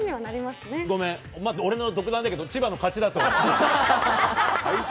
ごめん、俺の独断だけど、千葉の勝ちだと思う。